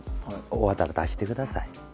終わったら出してください。